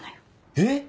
えっ？